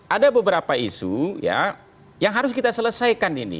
ada beberapa isu yang harus kita selesaikan ini